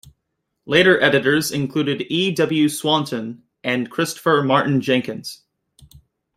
Later editors included E. W. Swanton and Christopher Martin-Jenkins.